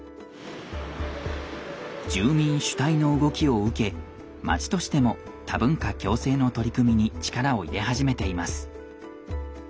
住民主体の動きを受け町としても多文化共生の取り組みに力を入れ始めています。